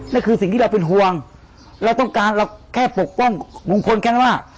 นี่คือสิ่งที่เราเป็นห่วงเราต้องการเราแค่ปกป้องลุงพลแค่นั้นว่า